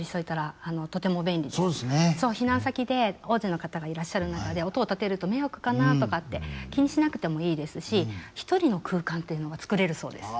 避難先で大勢の方がいらっしゃる中で音を立てると迷惑かなとかって気にしなくてもいいですし１人の空間っていうのが作れるそうです。